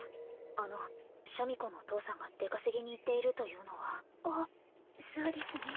あのシャミ子のお父さんが出稼ぎに行っているというのはあっそうですね